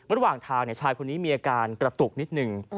ระหว่างทางชายคนนี้มีอาการกระตุกนิดหนึ่ง